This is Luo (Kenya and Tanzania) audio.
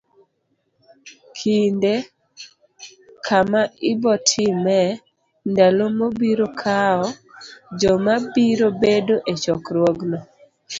Kinde, kama ibo timee, ndalo mobiro kawo, joma biro bedo e chokruogno.